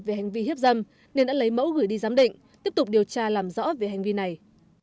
về hành vi hiếp dâm nên đã lấy mẫu gửi đi giám định tiếp tục điều tra làm rõ về hành vi này